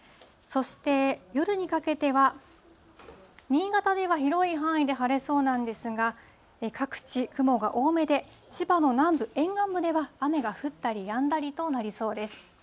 そして、夜にかけては、新潟では広い範囲で晴れそうなんですが、各地、雲が多めで、千葉の南部、沿岸部では、雨が降ったりやんだりとなりそうです。